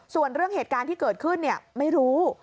ส่วนเรื่องเหตุการณ์ที่เกิดขึ้นไม่รู้